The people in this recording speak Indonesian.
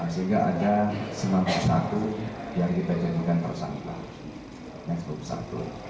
sehingga ada sembilan puluh satu yang kita jadikan perusahaan